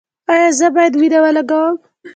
ایا زه باید وینه ولګوم؟